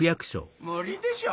無理でしょ。